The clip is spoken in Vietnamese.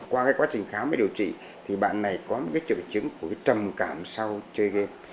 qua cái quá trình khám và điều trị thì bạn này có một cái trợ chứng của trầm cảm sau chơi game